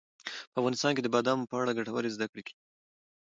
په افغانستان کې د بادامو په اړه ګټورې زده کړې کېږي.